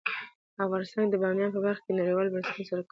افغانستان د بامیان په برخه کې نړیوالو بنسټونو سره کار کوي.